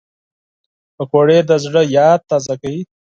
پکورې د زړه یاد تازه کوي